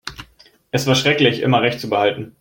Es war schrecklich, immer Recht zu behalten.